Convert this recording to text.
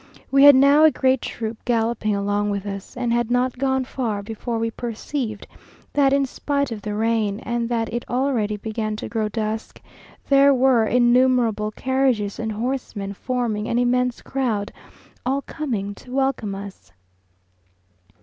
We had now a great troop galloping along with us, and had not gone far before we perceived that in spite of the rain, and that it already began to grow dusk, there were innumerable carriages and horsemen forming an immense crowd, all coming out to welcome us.